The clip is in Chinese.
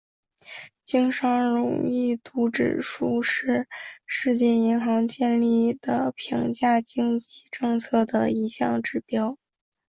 经商容易度指数是世界银行建立的评价经济政策的一项指标。